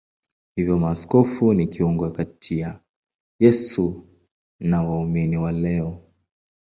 Hivyo maaskofu ni kiungo kati ya Yesu na waumini wa leo.